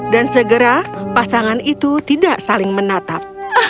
dan segera pasangan itu tidak saling menatap